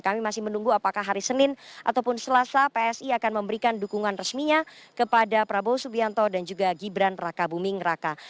kami masih menunggu apakah hari senin ataupun selasa psi akan memberikan dukungan resminya kepada prabowo subianto dan juga gibran raka buming raka